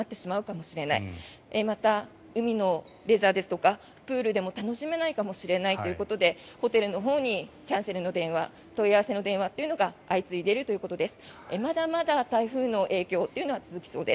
もしこちらに沖縄に入れても帰れなくなってしまうかもしれないまた、海のレジャーですとかプールでも楽しめないかもしれないということでホテルのほうにキャンセルの電話問い合わせの電話というのが相次いでいるということです。